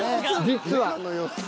実は。